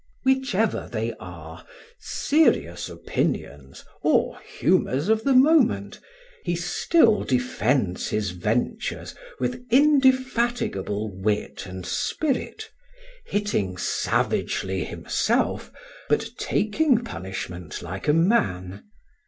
Whichever they are, serious opinions or humours of the moment, he still defends his ventures with indefatigable wit and spirit, hitting savagely himself, but taking punishment like a man.